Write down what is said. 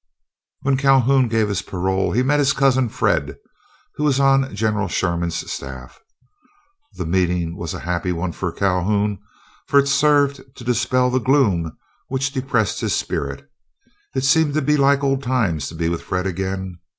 When Calhoun gave his parole, he met his cousin Fred, who was on General Sherman's staff. The meeting was a happy one for Calhoun, for it served to dispel the gloom which depressed his spirits. It seemed to be like old times to be with Fred again.